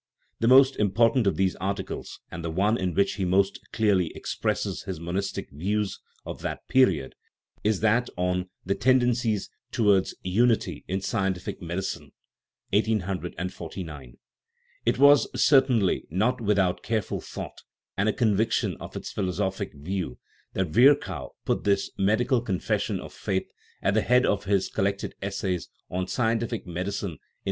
The most important of these articles, and the one in which he most clearly expresses his monistic views of that period, is that on "The Tendencies Towards Unity * 93 THE RIDDLE OF THE UNIVERSE in Scientific Medicine" (1849). It was certainly not without careful thought, and a conviction of its philo sophic value, that Virchow put this " medical confes sion of faith " at the head of his Collected Essays on Scientific Medicine in 1856.